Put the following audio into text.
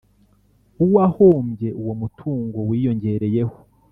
W uwahombye uwo mutungo wiyongereyeho